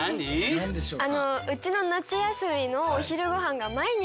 何でしょうか？